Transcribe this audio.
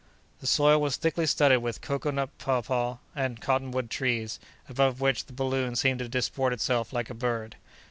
The soil was thickly studded with cocoa nut, papaw, and cotton wood trees, above which the balloon seemed to disport itself like a bird.